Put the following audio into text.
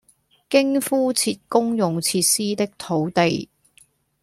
經敷設公用設施的土地